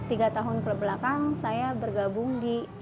tiga tahun kebelakang saya bergabung di